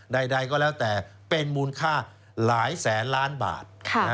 ใดก็แล้วแต่เป็นมูลค่าหลายแสนล้านบาท